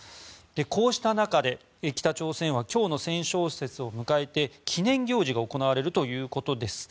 こうした中で北朝鮮は今日の戦勝節を迎えて記念行事が行われるということです。